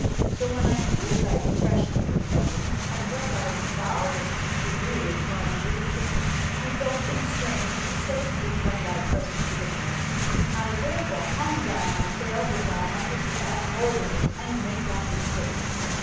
So when I heard thy profession of repentance, and what thou vowedst to do if God delivered thee, I felt constrained to save thee from thy present predicament. I therefore hung down my tail that thou mightest catch hold of it and make thine escape.